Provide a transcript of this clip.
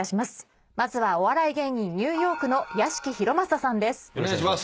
まずはお笑い芸人ニューヨークの屋敷裕政さんです。